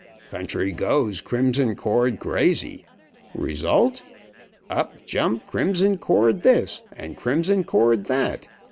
Country goes Crimson Cord crazy. Result up jump Crimson Cord this and Crimson Cord that.